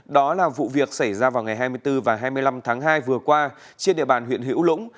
đó là vụ việc xảy ra vào ngày hai mươi bốn và hai mươi năm tháng hai vừa qua trên địa bàn huyện hữu lũng